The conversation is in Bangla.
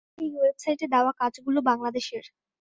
এই ওয়েবসাইটে দেওয়া কাজগুলো বাংলাদেশের।